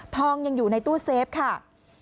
ยังอยู่ในตู้เซฟค่ะ